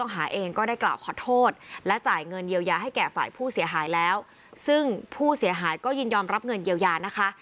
ให้แก่ฝ่ายผู้เสียหายแล้วซึ่งผู้เสียหายก็ยินยอมรับเงินเยียวยานะคะ